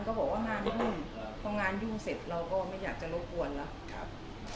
เขาก็บอกว่างานยุ่งเพราะงานยุ่งเสร็จเราก็ไม่อยากจะโลกปวดแล้ว